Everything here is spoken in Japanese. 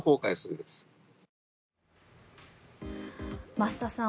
増田さん